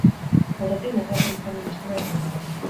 Aurretik Nekazaritza Ministroa izan zen.